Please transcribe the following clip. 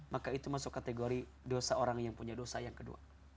maka itu masuk kategori dosa orang yang punya dosa yang kedua